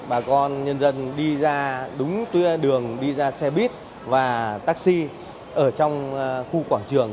bà con nhân dân đi ra đúng đường đi ra xe buýt và taxi ở trong khu quảng trường